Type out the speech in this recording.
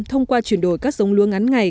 thông qua chuyển đổi các giống lúa ngắn ngày